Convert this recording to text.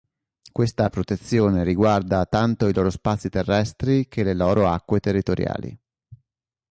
Questa protezione riguarda tanto i loro spazi terrestri che le loro acque territoriali.